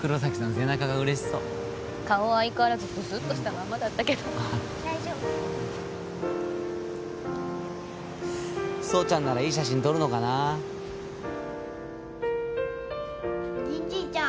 背中が嬉しそう顔は相変わらずぶすっとしたまんまだったけど大丈夫蒼ちゃんならいい写真撮るのかな銀じいちゃん